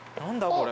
これ。